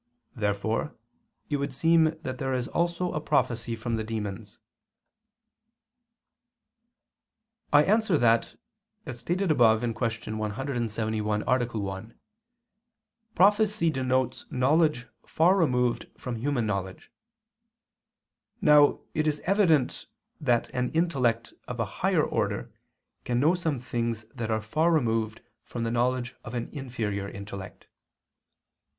Therefore it would seem that there is also a prophecy from the demons. I answer that, As stated above (Q. 171, A. 1), prophecy denotes knowledge far removed from human knowledge. Now it is evident that an intellect of a higher order can know some things that are far removed from the knowledge of an inferior intellect.